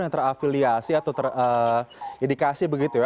yang terafiliasi atau terindikasi begitu ya